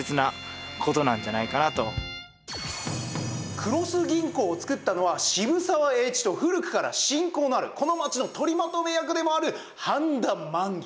黒須銀行を作ったのは渋沢栄一と古くから親交のあるこの街の取りまとめ役でもある繁田満義。